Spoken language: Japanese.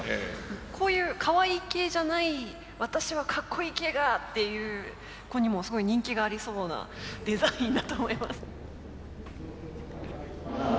こういうかわいい系じゃない私はかっこいい系がっていう子にもすごい人気がありそうなデザインだと思います。